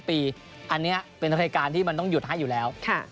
ซึ่งแน่นอนครับมันจะไม่มีทางหลุดน่าอยู่ยันยันเลย